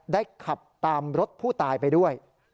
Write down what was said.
ขับตามรถผู้ตายไปด้วย